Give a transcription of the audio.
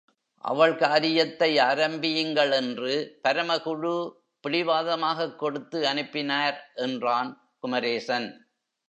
அவள் காரியத்தை ஆரம்பியுங்கள் என்று பரமகுரு பிடிவாதமாகக் கொடுத்து அனுப்பினார், என்றான் குமரேசன்.